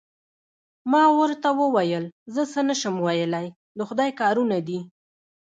ما ورته وویل: زه څه نه شم ویلای، د خدای کارونه دي.